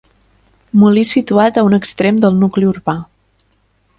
Molí situat a un extrem del nucli urbà.